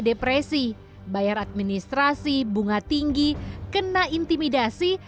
depresi bayar administrasi bunga tinggi kena intimidasi